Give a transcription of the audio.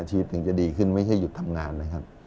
ถึงจะดีขึ้นไม่ใช่หยุดทำงานนะครับ